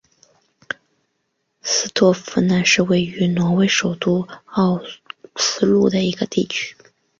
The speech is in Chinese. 斯托夫奈是位于挪威首都奥斯陆的一个地区。